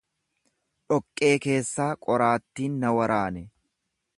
Dhoqqee keessaa qoraattiin na waraane.